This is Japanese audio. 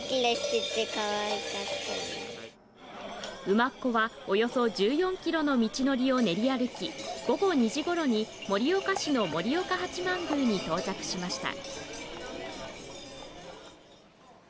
馬コはおよそ１４キロの道のりを練り歩き、午後２時ごろに盛岡市の盛岡八幡宮に到着しました。